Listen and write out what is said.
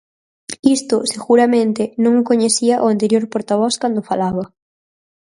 Isto, seguramente, non o coñecía o anterior portavoz cando falaba.